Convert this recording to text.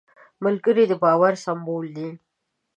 ملګری د باور سمبول دی